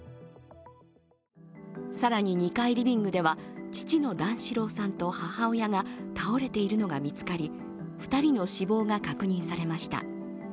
更に、２階リビングでは父の段四郎さんと母親が倒れているのが見つかり２人の死亡が確認されました。